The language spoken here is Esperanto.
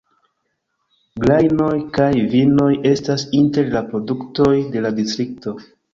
Grajnoj kaj vinoj estas inter la produktoj de la distrikto.